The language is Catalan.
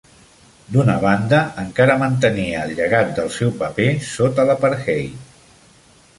D'una banda, encara mantenia el llegat del seu paper sota l'apartheid.